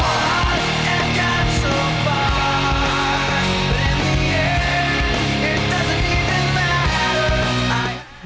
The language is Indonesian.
ia juga sempat menelurkan beberapa lagu yang pernah memiliki pengalaman